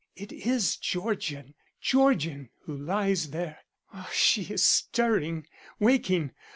It is Georgian, Georgian who lies there ah, she's stirring, waking!